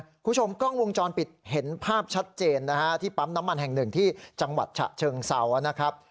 คุณผู้ชมกล้องวงจรปิดเห็นภาพชัดเจนนะฮะที่ปั๊มน้ำมันแห่งหนึ่งที่จังหวัดฉะเชิงเซานะครับ